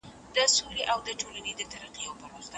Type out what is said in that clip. راتلونکی نسل به افراطي ایډیالوژۍ په کلکه رد کړي.